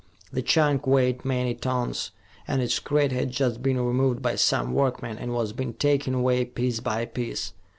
The chunk weighed many tons, and its crate had just been removed by some workmen and was being taken away, piece by piece.